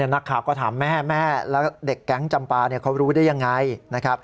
นักข่าวก็ถามแม่แม่แล้วเด็กแก๊งจำปาเขารู้ได้ยังไงนะครับ